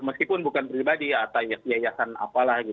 meskipun bukan pribadi atau yayasan apalah